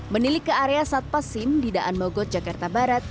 menilik ke area satpasim di daan mogot jakarta barat